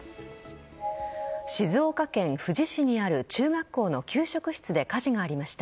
静岡県富士市にある中学校の給食室で火事がありました。